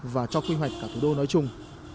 và cho quy hoạch cả thủ đô nói chung